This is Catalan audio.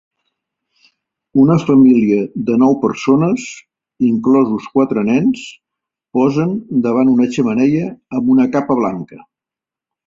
Una família de nou persones, inclosos quatre nens, posen davant una xemeneia amb una capa blanca